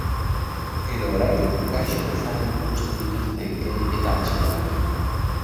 Edo oraindik gaixo bezala ikusten dituzte gay eta lesbianak?